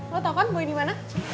lu tau kan boy dimana